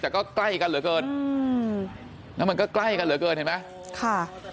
แต่ก็ใกล้กันเหลือเกินอืมแล้วมันก็ใกล้กันเหลือเกินเห็นไหมค่ะ